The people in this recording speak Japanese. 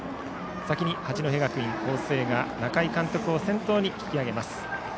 先に八戸学院光星が仲井監督を先頭に引き上げます。